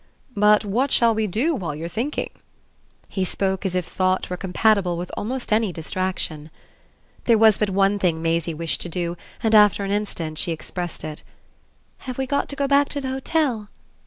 "But what shall we do while you're thinking?" He spoke as if thought were compatible with almost any distraction. There was but one thing Maisie wished to do, and after an instant she expressed it. "Have we got to go back to the hotel?"